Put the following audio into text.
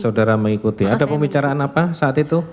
saudara mengikuti ada pembicaraan apa saat itu